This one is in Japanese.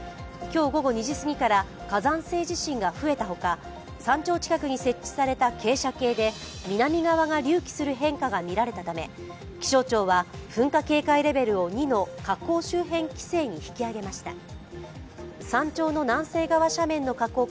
今日午後２時すぎから、火山性地震が増えた他、山頂近くに設置された傾斜計で南側が隆起する変化が見られたため、気象庁は噴火警戒レベルを２の火口周辺規制に引き上げました。